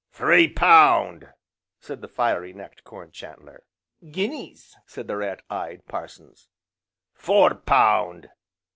"Three pound!" said the fiery necked Corn chandler. "Guineas!" said the rat eyed Parsons. "Four pound!"